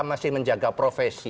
masih menjaga profesi